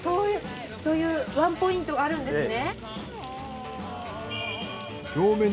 そういうワンポイントあるんですね。